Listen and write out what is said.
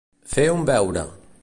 Fer un beure.